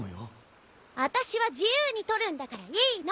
あたしは自由に撮るんだからいいの！